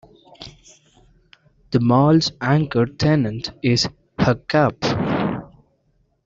The mall's anchor tenant is Hagkaup.